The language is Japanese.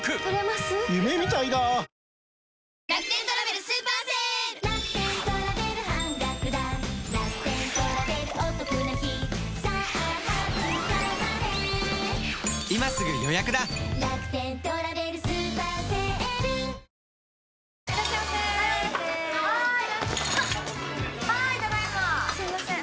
すいません！